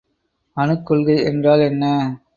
அணுக்கொள்கை என்றால் என்ன?